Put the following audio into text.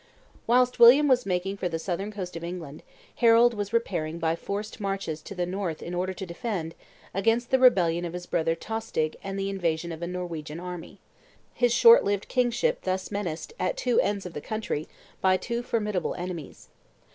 Whilst William was making for the southern coast of England, Harold was repairing by forced marches to the north in order to defend, against the rebellion of his brother Tostig and the invasion of a Norwegian army, his short lived kingship thus menaced, at two ends of the country, by two formidable enemies.